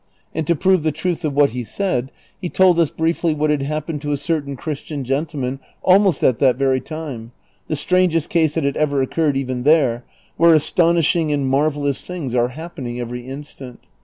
And to prove the truth of what he said, he told us briefly what had happened to a certain Christian gentle man almost at that very time, the strangest case that had ever occurred even there, where astonishing and marvellous things are happening every instant.